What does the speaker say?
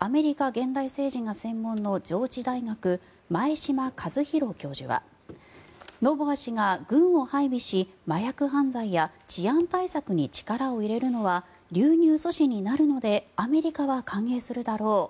アメリカ現代政治が専門の上智大学、前嶋和弘教授はノボア氏が軍を配備し麻薬犯罪や治安対策に力を入れるのは流入阻止になるのでアメリカは歓迎するだろう